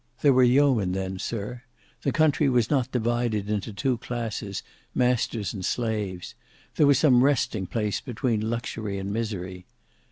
There were yeomen then, sir: the country was not divided into two classes, masters and slaves; there was some resting place between luxury and misery.